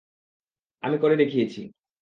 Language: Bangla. আমি করে দেখিয়েছি।